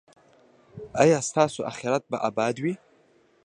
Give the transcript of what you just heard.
ایا ستاسو اخرت به اباد وي؟